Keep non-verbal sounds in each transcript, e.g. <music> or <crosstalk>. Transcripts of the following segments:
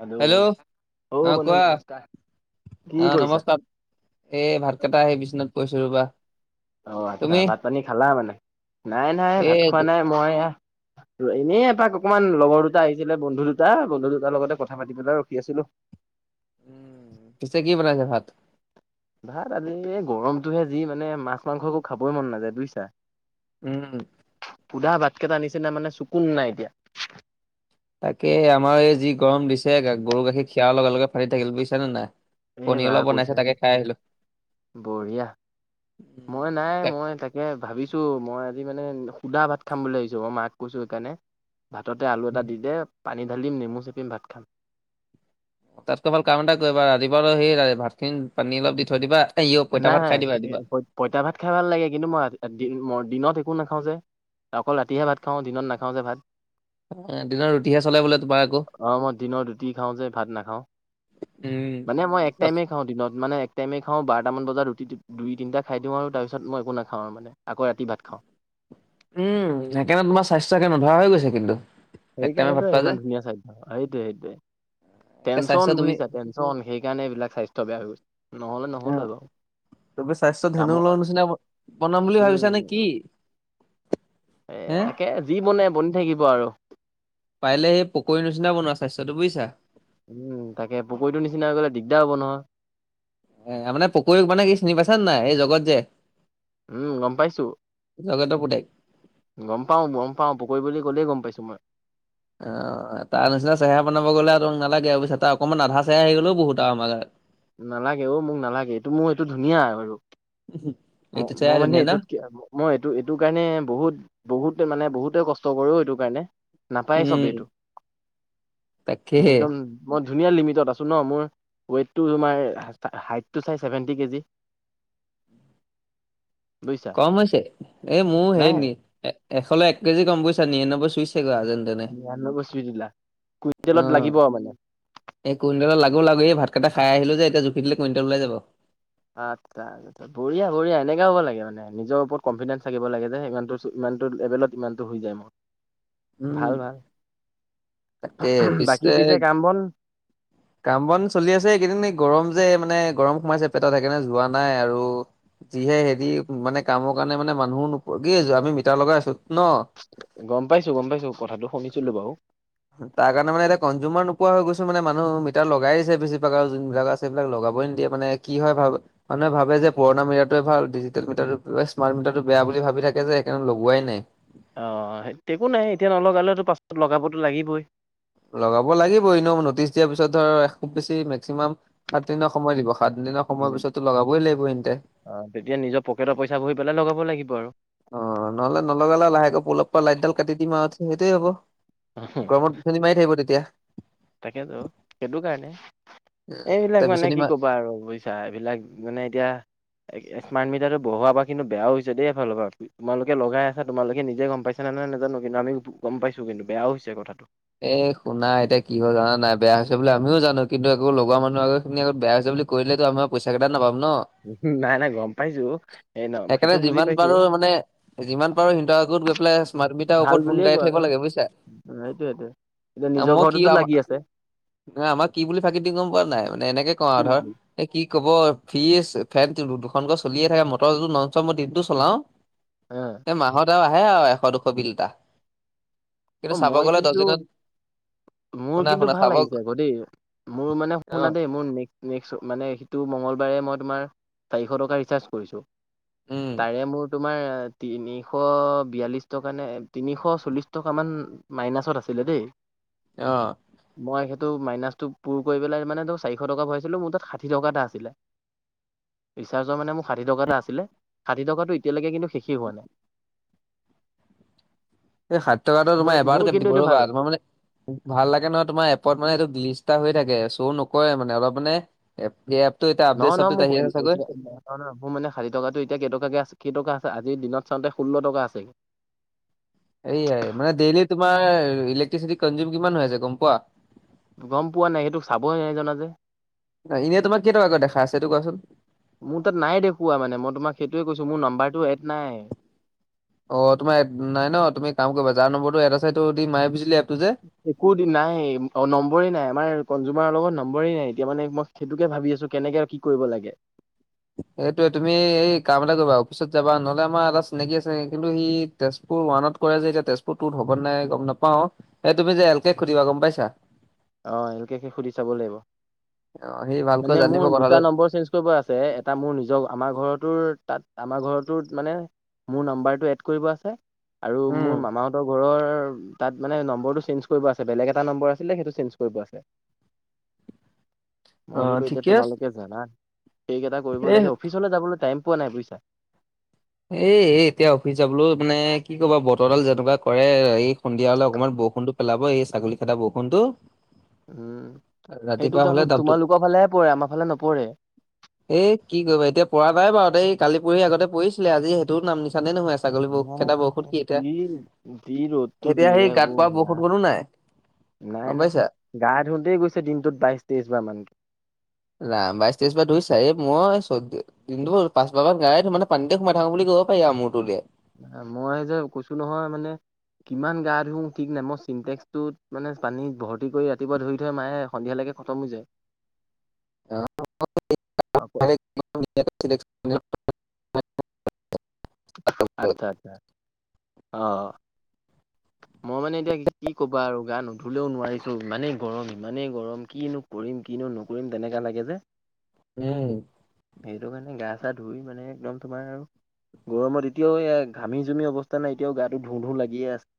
Hello অ বন্ধু নমস্কাৰ কি কৰিছা এ ভাতকেইটা হেই বিচনাত পৰিছো ৰবা অ আচ্ছা তুমি ভাত পানী খালা মানে নাই নাই ভাত এই খোৱা নাই মই এনেই এপাক অকমান লগৰ দুটা আহিছিলে বন্ধু দুটা বন্ধু দুটাৰ লগতে কথা পাতি পেলাই ৰখি আছিলো। উম পিছে কি বনাইছে ভাত ভাত আজি গৰমটোহে যি মানে মাছ মাংস একো খাবই মন নাযায় বুইচা। উম সুদা ভাতকেইটা নিছিনা মানে চোকুন নাই এতিয়া। তাকে আমাৰ এই যি গৰম দিছে গৰু গাখীৰ খিৰাৰ লগে লগে ফাটি থাকিল বুজিছা নে নাই। এ পনীৰ বা অলপ বনাইছে তাকে কৈছাহে খাই আহিলো বঢ়িয়া উম, মই নাই তাক- মই তাকে ভাবিছো মই আজি মানে সুদা ভাত খাম বুলি ভাবিছো মই মাক কৈছোঁ সেইকাৰণে ভাততে আলু এটা দি দে পানী ঢালিম নেমু চেপিম ভাত খাম তাতকৈ ভাল কাম এটা কৰিবা ৰাতিপাাৰ সেই ভাত খিনি পানী অলপ দি থৈ দিবা পইতা ভাত খাই দিবা ৰাতিপুৱা। পইতা ভাত খাই ভাল লাগে কিন্তু মই ম দিনত একো নাখাওঁ যে অকল ৰাতিহে ভাত খাওঁ দিনত নাখাওঁ যে ভাত অ, দিনৰ ৰুটিহে চলে বোলে তোমাৰ আকৌ আহ মই দিনৰ ৰুটি খাওঁ যে ভাত নাখাওঁ উম মানে মই এক টাইমে বাচ- খাওঁ দিনত মানে টাইমে খাওঁ বাৰটামান বজাত ৰুটটো দুই তিনিটা খাই দিওঁ আৰু তাৰপিছত মই একো নাখাওঁ আৰু মানে আকৌ ৰাতি ভাত খাওঁ উম সেইকাৰণে তোমাৰ স্বাস্থ্য একে নধৰা হৈ গৈছে কিন্তু এক টাইমে ভাত সেইকাৰণেতো খোৱা যে ইমান ধুনীয়া সাধ্য সেইটোৱে সেইটোয়ে একে স্বাস্থ্য টেনশচন তুমি বুজিছা টেনন সেই কাৰণ এইবিলাক স্বাস্থ্য বেয়া হৈ গৈছে নহ'লে অ নহ'ল হয় বাৰু তপি স্বাস্থ্য ধেনু কামৰ লৰ নিচিনা বনাম বুলি ভাবিছ নে কি উম এ হে তাকে যি বনে বনি থাকিব আৰু পাৰে এই পকৰীৰ নিচনা বনোৱা স্বাস্থ্যটো বুজিছা। উম তাকে পকৰীটো নিচিনা হৈ গ'লে দিগদাৰ হ'ব নহয়। এ মানে পকৰী মানে কি চিনি পাইছে নে নাই এই জগত যে উম গম পাইছো জগতৰ পুতেক গম পাওঁ গম পাওঁ পকৰি বুলি গলেই গম পাইছো মই অ তাৰ নিচি চেহৰা বনাব গ'লে আৰু নালাগে আৰু পিত তাৰ অকমান আধা চেহৰা আহি গ'লেও বহুত আৰু আমাৰ গাত নালাগে অ মোক নালাগে এইটো মোৰ এইটো ধুনীয়া আৰু ম এইটো মই চেহেৰাই মানে ধুনীয়া ন এইটোক মই এইটো এইটো কাৰণে বহুত বহুত মানে বহুতে কষ্ট কৰো এইটো কাৰণে নাপায় উম চবেই এইটো মোৰ তাকেহে একদম মই ধুনীয়া লিমিটত আছোঁ ন মোৰ টো তোমাৰ হাইটটো চাই চছেভেনটি কেজি বুজিছা কম হৈছে এই মোৰ নাই হেৰি নি এশলৈ এক কেজি কম বুইছা নিৰান্নব্বৈ সুইছেগৈ নিৰান্বৈ চুই দিলা অ কুইণ্টেলত লাগিব মানে। এই কুইণ্টল লাগো লাগো এই ভাতকেইটা টা খাই আহিলো যেতিয়া জুখিলে কুইণ্টেল ওলাই যাব আচ্ছাা বঢ়িয়া বঢ়িয়া এনেকা হ'ব লাগে মানে নিজৰ ওপৰত কনফিডেন্স থাকিব লাগে যে ইমান ইমানতটো লেভেলত ইমান টো হৈ যায় মোৰ উম ভাল ভাল বাকী পিছে কাম বন কাম বন চলি আছে এইকেইদিন এই গৰম যে মানে গৰম সোমাইছে পেটত সেইকাৰণে যোৱা নাই আৰু যিহে হেৰি মানে কামৰ কাৰণে মানে মানুহো নোপোৱা কি আছো আমি মিতাৰ লগাই আছো ন গম পাইছো গম পাইছো কথাটো শুনিছিলো বাৰু তাৰ কাৰণে মানে এতিয়া কনজিমাৰ নোপোৱা হৈ গৈছো মানে মানুহ এতিয়া লগাই দিছে বেছিভাগ আৰু যোনবিলাক আছে সেইিলাক লগাব নিদিয়ে মানে কি হয় ভাব মানুহে ভাবে যে পুৰণা মিটাৰোৱ ভাল ডিজিটেল মিটাৰটো স্মাৰ্ট মিটাৰটো বেয়া বুলি ভাবি থাকে সেইকাৰণে লগোৱাই নাই। অঁ, হে একো নাই এতিয়া নলগালেতো পাছত লগাবতো লাগিবই। লগাব লাগিবই ন ' ন'টিচ দিয়াৰ পিছত ধৰ খুব বেছি মেক্সিমাম সাত দিনৰ সময় দিব। সাত দিনৰ সময়ৰ পিছতটো লগাবই লাগিব তেন্তে। অ, তেতিয়া নিজৰ পকেটৰ পইচা ভৰি পেলাই লগাব লাগিব আৰু। অঁ, নহলে নলগালে লাহেকৈ পলপ পৰা লাইটডাল কাটি দিম আৰু সেইটোয়ে হ'ব। গৰমত বিচনী মাৰি থাকিব তেতিয়া। তাকেতো সেইটো কাৰণে। এইবিলাক এতিয়া মানে বিচনী কি মা কবা আৰু বুজি ছা এইবিলাক মানে এতিয়া এ স্মাৰ্ট মিটাৰটো বহোৱাৰ পৰা কিন্তু বেয়াও হৈছে দেই এফালৰ ভালৰ পৰা। তোমালোকে লগাই আছা, তোমালোকে নিজে গম পাইছা। না, না নাজানো। কিন্তু আমি গম পাইছো। কিন্তু বেয়াও হৈছে কথাটো। এ, শুনা এতিয়া, কি হয় জানা নাই? বেয়া হৈছে বুলি আমিও জানো। কিন্তু আকৌ লগোৱা মানুহৰ আগত খিনি আগত বেয়া হৈছে বুলি- কৰিলেটো আমাৰ পইচা কেইটা নাপাম ন'। নাই নাই গম পাইছো এই ন সেইকাৰণে সেইটো বুজি যিমান পাইছো পাৰো, মানে যিমান পাৰো সিহঁতৰ আাগত গৈ পেলাই স্মাৰ্ট মিটাৰ ওপৰত গুণ গাই থাকিব লাগে বুইছা। সেইতোৱেটো। আমাৰ কি? আমাৰ, আমাক কি বুলি ফাকি দিয়ে গম পোৱা নাই? মানে এনেকে কওঁ কি আৰু কৰিবি। ধৰ- এ কি কব? ফ্ৰীজ, ফেনটো দুখন ঘত চলিয়ে থাকে। মটৰটো নন ষ্টপ, মই দিনটো চলাওঁ। অঁ। মাহত আৰু আহে আও এশ- দুশ বিল এটা। কিন্তু অ চাব মই গ'লে দহ কিন্তু দিনত মোৰ শুনা কিন্তু শুনা ভাল চাব লাগিছে আকৌ দেই। মোৰ মানে অ শুনা দেই - মোৰ নেক্ম, নেক্ম মানে নেক্সটো মঙলবাৰে মই তোমাৰ চাৰিশ টকা ৰিৰ্চাছ কৰিছো। উম তাকে মোৰ তোমাৰ, তিনিশ বিয়াল্লিশ টকা নে তিনিশ চল্লিশ টকা- অকনমান মাইনাচত আছোগে দেই। অঁ। মই সেইটো, মাইনাচটো পুৰকৰি পেলাই মানে চাৰিশ টকা ভৰাইছিলোঁ। মোৰ তাত ষাঠি টকা এটা আছিলে। ৰিচাৰ্জৰ মানে মোৰ ষাঠি টকা এটা আছিলে। ষাঠি টকাটো এতিয়ালৈকে কিন্তু শেষেই হোৱা নাই। সেই ষাঠি টকাটো মোৰ তোমাৰ এবাৰ মোৰ কাটি কিন্তু দিব। এইটো ৰ'বা, ভাল লাগে তোমাৰ মানে ভাল লাগে নহয় তোমাৰ এপত মানে এইটো লিষ্ট এটা হৈ থাকে। শ্ব' নকৰে মানে। অলপ মানে এপতিয়া এপটোত এতিয়া আপডেট -ছাব্‌দেট আহি আছে চাগে? ন, ন মোৰ মানে ষাঠি টাতো এতিয়া কেইটকা কে আছে? কেই টকা আছে? আজি দিনত চওঁতে ষো্ল টকা আছেে। এইয়াই, মানে ডেইলি তোমাৰ ইলেক্ট্ৰিচিটি কনজিউম কিমান হৈ আছে, গম পোৱা? গম পোৱা নাই। সেইটো চাবই নাই জনা যে। এনেই তোমাৰ কেইটকাকে দেখাই আছে? সেইটো কোৱাচোন? মোৰ তাত নাই দেখোৱা মানে মই তোমাক সেইটোৱে কৈছো। মোৰ নাম্বাৰটো এড্‌ নাই। অঁ তোমাৰ এপটো নাই ন'? তুমি এটা কাম কৰিবা। যাৰ নম্বৰটো এড্ৰছটো দি মাই বুজিলি এপটো যে একো দি নাই। অ নম্বৰে নাই। আমাৰ কনজিউমাৰৰ লগত নম্বৰে নাই। এতিয়া মানে মই সেইটোকে ভাৱি আছোঁ। কেনেকে এড্‌ কৰিব লাগে। এইটো তুমি কাম এটা কৰিবা, অফিচত যাবা। নহলে আমাৰ এটা চিনাকি আছে। কিন্তু সি তেজপুৰ ওৱানত কৰে যে এতিয়া তেজপুৰ টুত হ'ব নাই গম নাপাওঁ। এই তুমি যে এল কেক সুধিবা। গম পাইছা? অঁ, এল কেকে সুধি চাব লাগিব। অ সি ভালকৈ মানে জানিব মোৰ দুটা কথাটো নম্বৰ চেঞ্জ- টো বা আছে। এটা মোৰ নিজৰ। আমাৰ ঘৰটোৰ তাত আমাৰ ঘৰটোত মানে মোৰ নাম্বাৰটো এড্‌ কৰিব আছে। আৰু উম মোৰ মামাহঁতৰ ঘৰৰ তাত মানে নম্বৰটো চেঞ্জ কৰিব আছে। বেলেগ এটা নম্বৰ আছিলে সেইটোঞ্জ- গৈ পোৱা আছে। অ মই বোলো এতিয়া ঠিকে আছে তোমালোকে জানা। সেইকেইটা- কৰিব এ লাগে। অফিচলৈ যাবলৈ টাইম পোৱা নাই। বুজছা? এই এ এতিয়া অফিচ যাবলৈও মানে কি কবা বতৰডাল যেনেকুৱা কৰে এই সন্ধিয়া হলে অকমান বৰষুণতো - পেলাব এই ছাগলী খেদোৱা বৰষুনটো। উম, সেইটোত আকৌ তাপতো তোমালোকৰ ফালেহে পৰে আমাৰ ফালে নপৰে। এ কি কৰিবা এতিয়া পৰা নাই বাৰু দেই কালি পঢ়ি আগতে পঢ়িছিলে আজি সেইটোও নাম নিচানেই নহয় আছে। অহ যি যি ৰ'দটো এতিয়া সেই দিয়ে গাত অ। পৰা বৰষুণকনো নাই গম নাই নাই, পাইছা গা ধুওঁতেই গৈছে দিনটোত বাইশ তেইশ বাৰ মানকে। ৰাম বাইশ তেইশ বা ধুইছাই মই চধ দিনটো পাঁচবা বাৰ গায়ে ধো মানে পানীতে সোমাই থাকো বুলি কব পাৰি মোৰটো যে। মই যে কৈছো নহয় মানে- কিমান গা ধুওঁ ঠিক নাই মই চিন্টেক্সটোত মানে পানীত ভৰ্তি কৰি ৰাতিপুৱা ধুৱে থৈ মায়ে সন্ধিয়ালৈকে- খটম হৈ যায়। আকৌ <unintelligible> আচ্ছা আচ্ছা। অহ। মই মানে এতিয়া কি ক'বা আৰু গা নুধুলেও নোৱাৰিছো ইমানে গৰম ইমানে গৰম কিনো- কৰিম কিনো নকৰিম তেনেকুৱা লাগে যে। উম। সেইটো কাৰণে গা চা ধুই মানে একদম তোমাৰ আৰু- গৰমত এতিয়াও এয়া ঘামি জুমি অৱস্থা নাই এতিয়াও গাটো ধোঁ ধোঁ লাগিয়ে আছে।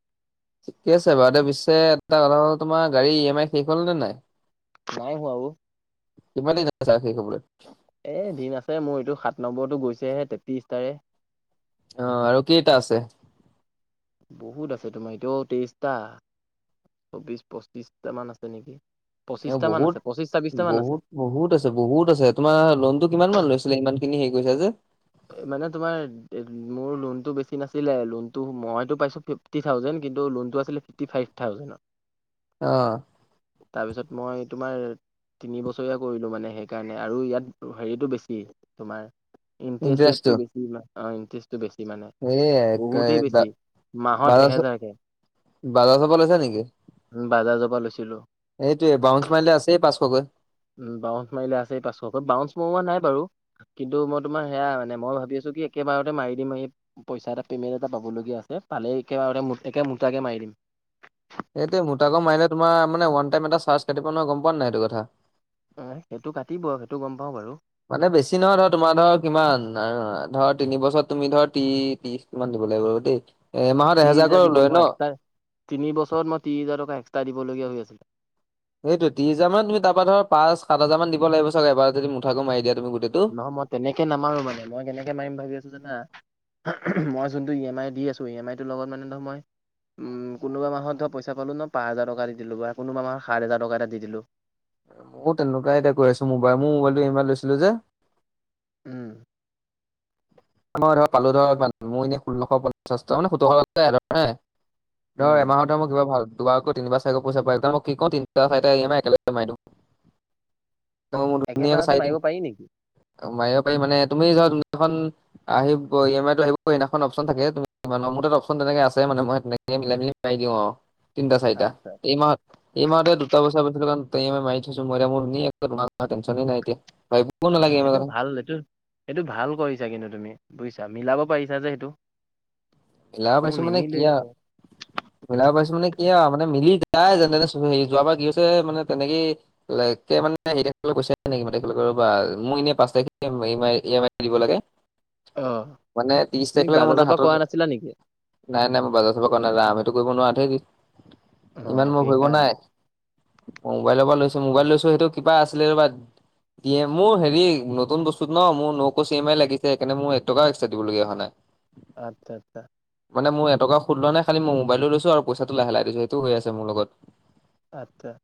ঠিকে আছে বাৰু দে পিছে এটা কথা হ'ল তোমাৰ গাড়ী ই এম আই শেষ হ'ল নে নাই? নাই হোৱা অ। কিমান দিন আছে শেষ হবলৈ? এ দিন আছে মোৰ এইটো সাত নম্বৰৰতো গৈছেহে তেত্ৰিশ তাৰে। অ আৰু কইটা আছে? বহুত আছে তোমাৰ এটোও তেইশটা, চৌবিশ পঁচিছটা মান আছে নেকি। এ পঁচিছটা মান বহুত আছে পঁচিছটা ছাব্বিছটা মান আছে। বহুত বহুত আছে বহুত আছে তোমাৰ লোনতটো কিমান মান লৈছিলে ইমান খিনি হেৰি কৰিছা যে। মানে তোমাৰ মোৰ লোনতটো বেছি নাছিলে লোনতটো মইতো পাইছো ফ ফিফটিন উজেড কিন্তু লোনটো আছিলে ফিফটি ফাইভ থাউজেণ্ড। অ। তাৰপিছত মই তোমাৰ- তিনি বছৰীয়া কৰিলো মানে সেইকাৰণে আৰু ইয়াত হেৰিতটো বেছি তোমাৰ- ইণ্টাৰেষ্টটো ইণ্টাৰেষ্টিটো বেছি। অ ইণ্টাৰেষ্টটো বেছি মানে, এই বহুতেই বেছি মাহত বাজাজ এহেজাৰকে। বাজাজৰ পৰা লৈছা নেকি? উম বাজাজৰ পৰা লৈছিলো। এইটোৱে বাউন্সাৰ মাইলে আছে পাঁচশকৈ। উম বাউন্স মাৰিলে আছে পাঁচশকৈ বাউন্স মৰোৱা নাই বাৰু। কিন্তু মই তোমাৰ সেয়া মানে মই ভাবি আছোঁ কি একেবাৰতে মাৰি দিম- পইচা এটা পেমেণ্ট এটা পাব লগীয়া আছে পালে একেবাৰে একে মুটাকে মাৰি দিম। এইটো মুটাকে মাৰিলে তোমাৰ মানে ৱান টাইম এটাৰ্জ কাটিব নহয় গম পোৱা নাইটো এইটো কথা? সেইটো কাটিব সেইটো গম পাওঁ বাৰু। মানে বেছি নহয় ধৰ তোমাৰ ধৰ কিমান আৰু ধৰ তিনি বছৰত তুমি ধৰ ত্ৰি ত্ৰিশ কিমান দিব লাগিব ৰ দেই এমাহত ত্ৰিশ এহেজাৰ হাজাৰ দিব লয় মই ন'? এক্সট্ৰা তিনি বছৰত মই তিছ হাজাৰ কে এক্সট্ৰা দিবগ হৈছিলে। সেইটোৱে ত্ৰিহাজাৰ তুমি তাপা ধৰ পাঁস সাত হাজাৰ মান দিব লাগিব চাগে এবাৰত যদি মুঠাক মাৰি দিয়া তুমি গোটেইটো। অ' মই তেনেকে নামাৰো মানে মই কেনেকে মাৰিম ভাবি আছো জানা। মই যোনটো ই এম আই দি আছো ই এম আই তৰ লগত মানে ধৰ মই- উম' কোনোবা মাহত ধৰ পইচা পালোঁ ন' পাঁ হাজাৰ টকা দি দিলোঁ বা কোনোবা মাহত সাত হাজাৰ টকা এটা দি দিলোঁ। মো‌ তেনেকুৱাই এতিয়া কৈ আছো মোবাই মো মোবাইলটো ই এমা আইত লৈছিলো যে। উম' মই ধৰ পালো ধৰক ইমান মোৰ এনেই ষোল্লশ পঞ্চাছটা মানে সোতৰশ ধৰ উম। এমাহত- মই কিবা ভাল দুবাৰকৈ তিনিবাৰ চাৰিবা পইচা পাই যাওঁ ময় কি কওঁ তিনিটা চাইটা ই য়েমাই একেলগে মাৰি দিম। <inaudible> এবাৰ মোৰ ধুনীয়াকৈ একেবাৰতে মাৰিব পাৰি নেকি চাৰিদিন মাৰিব পাৰিম মানে তুমি যোৱা দিনাখন- আহিব ই এম আইতো আহিব সেইদিনাখন অপচন থাকে তুমি মো তাত অপশন নাথাকে আছে মানে মই তেনে- কে মিলাই মিলি চাই দিওঁ আওঁ, তিনিটা চাৰিটা সাত হাজাৰ এইমাহত- এই মাহতে দুটা পইচা পাইছিলো কাৰণে ত ই এ মাই মাৰি থৈছোং ময় এতিয়া মো ধুনীয়াকৈ দুটা মাহ তেনচনে নাই এতিয়া। অঁ নালাগে এই সেইটো কথা ভাল এইটো সেইটো ভাল কৰিছা কিন্তু তুমি, বুজিছা মিলাব পাৰিছা যে সেইটো। মিলাব মোৰ পাৰিছোঁ মানে কি নিমিলেই আও। আকৌ। মিলাব পাৰিছোঁ মানে কি আও মানে মিলি যায় যেনতেনে হেৰি যোৱাবাৰ কি কৈছে মানে তেনেকেই- লেকে মানে কি হৈছে ৰবা মোৰ এনে পাঁচ তাৰিখে ই এম আই দিব লাগে। মানে ত্ৰিশ তাৰিখলৈকে মোৰ তা হাতত- গৈছিলা নেকি? নাই নাই মই বাজাৰ চাজাৰ কৰিব নাযাওঁ, ময়টো কৰিব নোৱাৰো তয় অ কি ইমান মোৰ কৰিব সেইকাৰণে নাই। মোবাইলৰ পৰা লৈছোঁ মোবাইল লৈছোঁ সেইটো কিবা আছিলে ৰবা। দিয়ে মোৰ হেৰি নতুন বস্তুত ন মোৰ নকশ চি এম আই লাগিছে সেইকাৰনে মোৰ এক টকা এক্সট্ৰা দিবলগীয়া হোৱা নাই। আৎচ্ছা আৎচ্ছা। মানে মোৰ এটকাও সুধ লোৱা নাই খালি ময় মোবাইলটো লৈছোঁ আৰু পইচাটো লাহে লাহে দিছোঁ সেইটো হৈ আছে মোৰ লগত। আৎচ্ছা।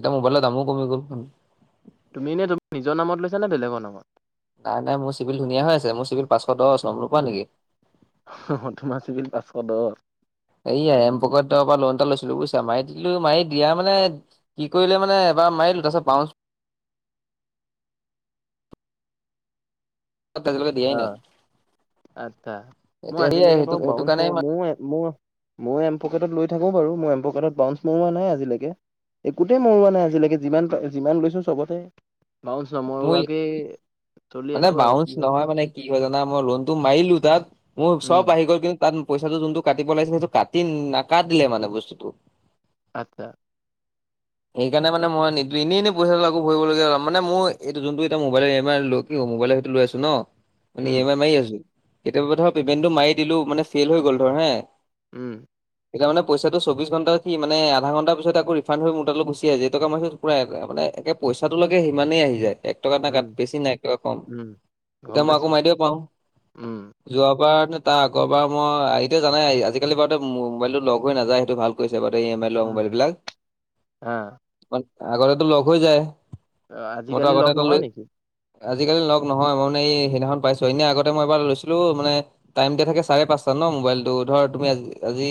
এটা মোবাইলৰ দামো কমি গ'ল। তুমি এনেই তুমি নিজৰ নামত লৈছা নে বেলেগৰ নামত? নাই নাই মোৰ চিভিল ধুনীয়া হৈ আছে, মোৰ চিভিল পাঁচশ দছ গম‌ নোপোৱা নেকি? হ হ তোমাৰ চিবিল পাঁচশ দহ। এইয়া এম পকেতৰ পৰা লোন এটা লৈছিলোঁ বুইছা মাৰি দিলো মাৰি দিয়া মানে- কি কৰিলে মানে এবাৰ মাৰিলোঁ তাৰপিছত পাওঁচ- ত আজি লৈকে দিয়াই নাই। আৎচ্ছা মই এতিয়া সেয়াই আজিলৈকে সেইটো বাৰু সেইটো বাউন কাৰণে মো মো- মও এমপ'কেটত লৈ থাকোঁ বাৰু মই এমপকেটত বাউনচ মৌৱা নাই আজিলৈকে। একোতে মৰোৱা নাই আজিলৈকে যিমান যিমান লৈছোঁ চবতে মাউনচ মোৰ নমৰোৱাকেই- মানে বাউন্ঞ্চ নহয় মানে কি হয় জানা? মই লোনটো মাৰিলোঁ তাত মোৰ উম চব আহি গ'ল কিন- তাত পইচাটো যোনটো কাটিব লাগিছিল সেইটো কাটি নাকাটিলে মানে বস্তুতটো। আৎচ্ছা। সেইকাৰণে মানে মই নিদো এনে এনে সেইকাৰণে মানে ময় নিদিলো এনেই এনেই প‌ইচাটো আকৌ ভৰিব লগীয়া হল মানে মোৰ এইটো যোনটো এটা mobile E M I loan- কিয় মোবাইলৰ সেইটো লৈ আছোঁ ন। মানে উম ই এম আই মাৰি আছোঁ কেতিয়াবা ধৰ পেমেন্টটো মাৰি দিলোঁ মানে ফেল হৈ গ'ল ধৰ হেঁ- উম' এতিয়া মানে পইচাটো চৌবিশ ঘণ্টা কি মান আধা ঘণ্টা পিছতে আকৌ ৰিফাইন হৈ মো- তালৈ গুচি আহিছে যেই টকা মাৰিছোঁ পুৰা মানে একে পইচাটো লেকে সিমানেই আহি যায়। এক টকা টা কাত উম বেছি নাই এক টকা কম উম গম এতিয়া মই আকৌ পাইছো মাৰি দিব পাওঁ। উম যোৱাবাৰ নে তাৰ আগৰবাৰ, মই এইটো জানাই আজিকালি বাৰুতে, মোবাইলটো লক হৈ নাযায়, সেইটো ভাল। কৰিছে বাৰুতে, ই এম আইট লোৱা মোবাইল বিলাক। অ'। আগতেটো লগ হৈ যায়, মইতো আজিকালি লগ আগতেটো নহয় লৈ নেকি আজিকালি লগ নহয়, মই মানে এই সেইদিনাখন পাইছোঁ, এনে আগতে মই এইবাৰ লৈছিলোঁ মানে। টাইম দিয়া থাকে চাৰে পাঁচটা ন মোবাইলটো, ধৰ তুমি আজি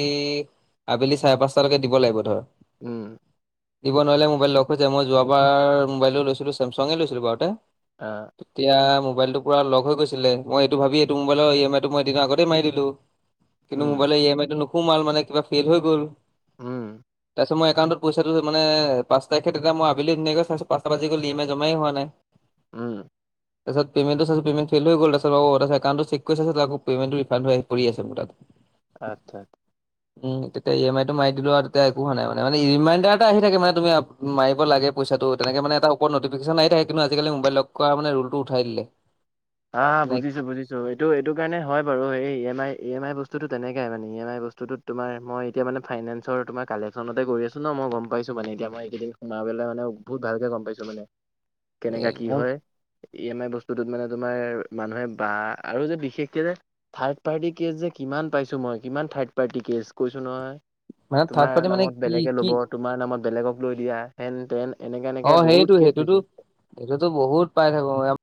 আবেলি চাৰে পাঁচটালৈকে দিব লাগিব ধৰ। উম। দিব নোৱাৰিলে মোবাইল লক হৈ যায়, মই যোৱাবাৰ মোবাইলটো লৈছিলোঁ, চেমচাঙে লৈছিলোঁ বাৰুতে। অ'। তেতিয়া মোবাইলটো পুৰা লক হৈ গৈছিলে, মই এইটো ভাবিয়ে এইটো মোবাইলৰ ই এম আইটো মই এদিনৰ আতেই মাৰি দিলোঁ। কিন্তু, উম মোবাইলৰ ই এম আই টো নোসোমাল, মানে কিবা ফেইল হৈ গ'ল। উম। চ' মই একাউণ্টট। পইচাটো মানে, পাঁচ তাৰিখে তেতিয়া মই আবিলি ধুনাকৈ চাইছোঁ, পাঁচটা বাজি গ'ল ই এম আই জমাই হোৱা নাই। <inaudible> তাৰপিছত পেমেণ্টটো চাইছো পেমেণ্ট ফেইল হৈ গ'ল, তাৰপিছত অ', তাৰপিছত একাউণ্টটো চেক কৰি চাইছো, আকৌ পেমেন্টটো ৰিফান্ড হৈ আহি পৰি আছে মোৰ তাত। আচ্ছা। উম, তেতিয়া ই এম আই টো মাৰিদিলো আৰু, তেতিয়া একো হোৱা নাই মানে, ই ৰিমাইণ্ডাৰ এটা আহি থাকে, মানে তুমি মাৰিব লাগে পইচাটো, তেনেকে মানে এটা ওপৰত নটিফিকেশন আহি থাকে কিন্তু, আজিকালি মবাইল লক কৰা মানে ৰুলটো উঠাই দিলে। হা, হা, মানে বুজিছো, বুজিছো। চ' এইটো, এইটো কাৰণে হয় বাৰু, এই E M I E M I বস্তুটো তেনেকাই মানে ই এম আই বস্তুটো। তোমাৰ মই এতিয়া মানে ফাইনেন্সৰ তোমাৰ কালেকচনতে কৰি আছো ন, মই গম পাইছো মানে এতিয়া মই এইকেইদিন। সোমাই পেলাই মানে বহুত ভালকে গম পাইছো মানে, এ, কেনেকা কি মোৰ হয়, ই এম আই বস্তুটোত মানে তোমাৰ মানুহে বা আৰু যে, বিশেষকে যে থাৰ্ড পাৰ্টি কেছ যে, কিমান পাইছো মই, কিমান থাৰ্ড পাৰ্টি কেছ কৈছোঁ নহয়। মানে থাৰ্ড তোমাৰ পাৰ্টি মানে নামত কি বেলেগে কি ল'ব, তোমাৰ নামত বেলেগক লৈ দিয়া, হেন-তেন। এনেকে, এনেকে বহুত কেছ পাইছোঁ। এইটোতো বহুত পাই থাকো।